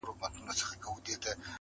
ګورئ تر خلوته چي خُمونه غلي غلي وړي!!”!!